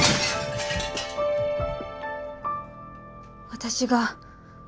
私が